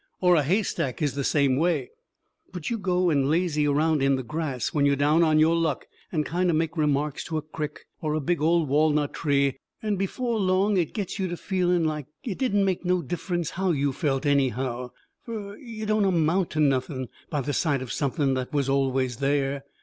Or a hay stack is the same way. But you go and lazy around in the grass when you're down on your luck and kind o' make remarks to a crick or a big, old walnut tree, and before long it gets you to feeling like it didn't make no difference how you felt, anyhow; fur you don't amount to nothing by the side of something that was always there.